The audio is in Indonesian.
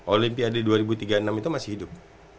olimpiade dua ribu tiga puluh enam itu masih hidup